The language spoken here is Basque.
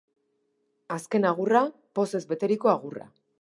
Azken agurra, pozez beteriko agurra.